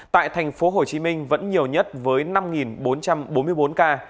tại thành phố hồ chí minh vẫn nhiều nhất với năm bốn trăm bốn mươi bốn ca